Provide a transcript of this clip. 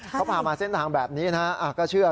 เขาพามาเส้นทางแบบนี้นะฮะก็เชื่อ